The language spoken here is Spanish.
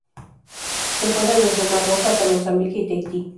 Se encuentra desde el Mar Rojo hasta Mozambique y Tahití.